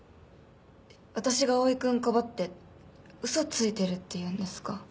私が蒼くんかばって嘘ついてるって言うんですか？